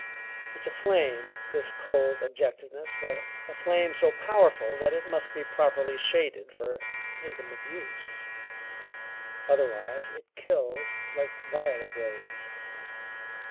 It's a flame, this cold objectiveness, but a flame so powerful that it must be properly shaded for intimate use. Otherwise it kills like violet rays.